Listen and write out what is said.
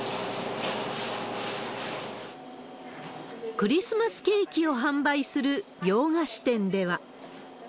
クリスマスケーキを販売する洋菓子店では。